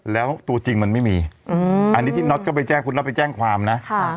แล้วตัวจริงมันไม่มีอันนี้ที่น็อตก็ไปแจ้งคุณน็อตไปแจ้งความนะ